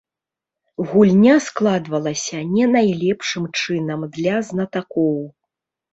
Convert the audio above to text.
Гульня складвалася не найлепшым чынам для знатакоў.